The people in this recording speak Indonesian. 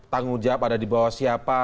tanggung jawab ada dibawah siapa